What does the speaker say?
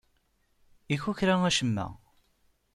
Ikukra acemma.